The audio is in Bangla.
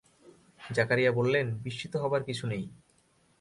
জাকারিয়া বললেন, বিস্মিত হবার কিছু নেই।